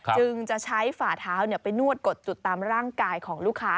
จึงจะใช้ฝ่าเท้าไปนวดกดจุดตามร่างกายของลูกค้า